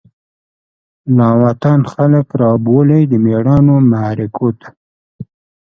لاوطن خلک رابولی، دمیړانومعرکوته